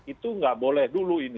itu nggak boleh dulu ini